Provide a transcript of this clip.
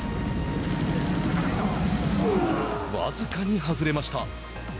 僅かに外れました。